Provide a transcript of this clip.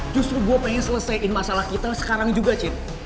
justru gue pengen selesaikan masalah kita sekarang juga cet